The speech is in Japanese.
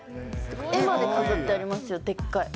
絵まで飾ってありますよ、でっかい。